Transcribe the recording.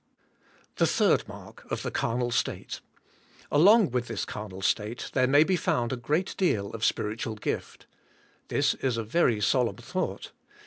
3. The third mark of the carnal state. Along v/ith this carnal state there may be found a great deal of spiritual gift. This is a very solemn thought.